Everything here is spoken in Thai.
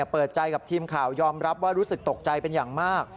เปิดใจกับทีมข่าวยอมรับว่ารู้สึกตกใจเป็นอย่างมาก